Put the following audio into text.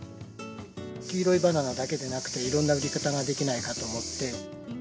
黄色いバナナだけでなくていろんな売り方ができないかと思って。